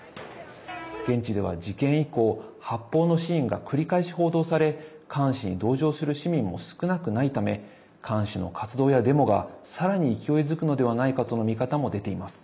現地では事件以降発砲のシーンが繰り返し報道されカーン氏に同情する市民も少なくないためカーン氏の活動やデモがさらに勢いづくのではないかとの見方も出ています。